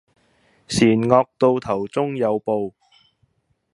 善惡到頭終有報